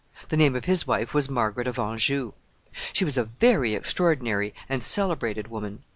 The name of his wife was Margaret of Anjou. She was a very extraordinary and celebrated woman.